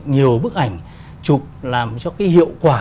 nhiều bức ảnh chụp làm cho cái hiệu quả